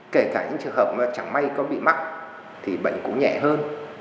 kể cả những trường hợp chẳng may có bị mắc thì bệnh cũng nhẹ hơn